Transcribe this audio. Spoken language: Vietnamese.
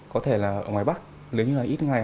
có thể là ở ngoài bắc nếu như là ít ngày